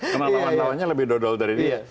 karena lawannya lebih dodol dari dia